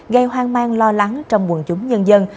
gây hoang mang lo lắng trong quần chúng nhân dân